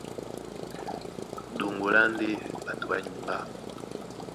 Ɗoŋgo lá e ndé ɓato ɓá nyuŋgá.